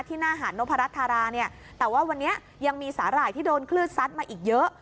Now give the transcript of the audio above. หน้าหาดนพรัชธาราเนี่ยแต่ว่าวันนี้ยังมีสาหร่ายที่โดนคลื่นซัดมาอีกเยอะ